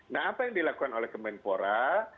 nah apa yang dilakukan oleh kemenpora